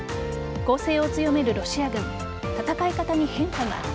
攻勢を強めるロシア軍戦い方に変化が。